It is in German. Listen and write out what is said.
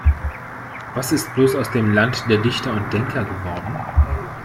Was ist bloß aus dem Land der Dichter und Denker geworden?